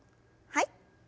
はい。